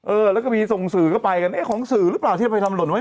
เออแล้วก็มีส่งสื่อเข้าไปกันเอ๊ะของสื่อหรือเปล่าที่จะไปทำหล่นไว้